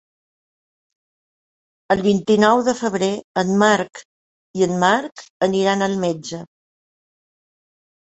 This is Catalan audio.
El vint-i-nou de febrer en Marc i en Marc aniran al metge.